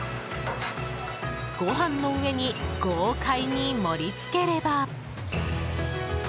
ご飯の上に豪快に盛り付ければ。